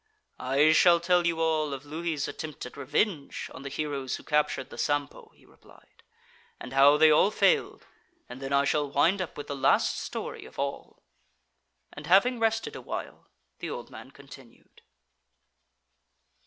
'I shall tell you all of Louhi's attempt at revenge on the heroes who captured the Sampo,' he replied; 'and how they all failed, and then I shall wind up with the last story of all!' After having rested a while, the old man continued.